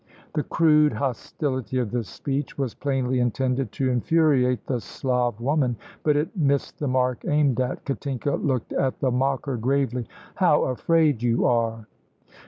The crude hostility of the speech was plainly intended to infuriate the Slav woman, but it missed the mark aimed at. Katinka looked at the mocker gravely. "How afraid you are!"